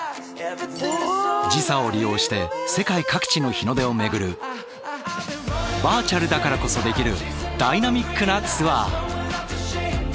時差を利用して世界各地の日の出を巡るバーチャルだからこそできるダイナミックなツアー！